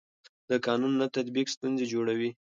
د قانون نه تطبیق ستونزې جوړوي